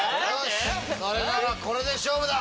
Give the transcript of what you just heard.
それならこれで勝負だ。